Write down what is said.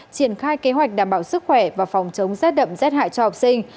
triển khai kế hoạch đảm bảo sức khỏe và phòng chống rét đậm rét hại cho học sinh